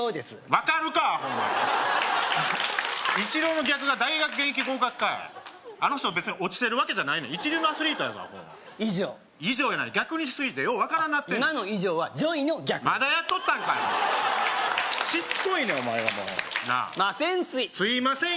分かるかアホお前イチローの逆が大学現役合格かいあの人別に落ちてるわけじゃないねん一流のアスリートやぞアホ以上「以上」やない逆にしすぎてよう分からんなってんねん今の「以上」はジョイの逆まだやっとったんかいしつこいねんお前はもうなあません